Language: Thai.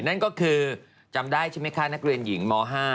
นั่นก็คือจำได้ใช่ไหมคะนักเรียนหญิงม๕